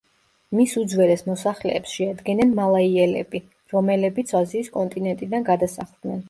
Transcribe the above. მის უძველეს მოსახლეებს შეადგენენ მალაიელები, რომელებიც აზიის კონტინენტიდან გადასახლდნენ.